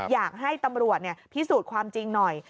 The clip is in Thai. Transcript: อยากให้ตำรวจพิสูจน์ความจริงหน่อย